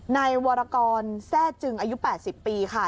นายวรกรแทร่จึงอายุ๘๐ปีค่ะ